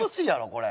これ。